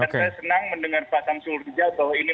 saya senang mendengar pak samsul rijal bahwa ini